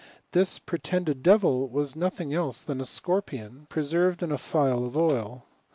This pretended devil was no J^ng else than a scorpion, preserved in a phial of oil.